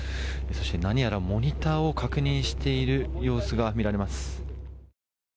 そして、何やらモニターを確認している様子が見られます。